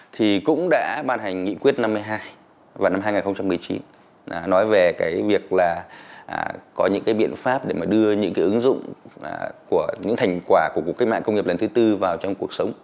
thì cũng đã ban hành nghị quyết năm mươi hai vào năm hai nghìn một mươi chín nói về cái việc là có những cái biện pháp để mà đưa những cái ứng dụng của những thành quả của cuộc cách mạng công nghiệp lần thứ tư vào trong cuộc sống